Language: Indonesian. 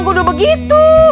nggak usah khawatirnya nya